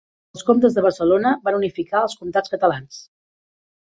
Els comtes de Barcelona van unificar els comtats catalans.